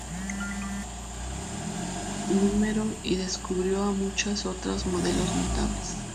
No", y descubrió a muchas otras modelos notables.